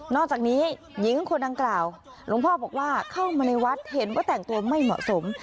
อกจากนี้หญิงคนดังกล่าวหลวงพ่อบอกว่าเข้ามาในวัดเห็นว่าแต่งตัวไม่เหมาะสม